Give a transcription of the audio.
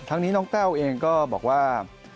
น้องนี้น้องแต้วเองก็บอกว่า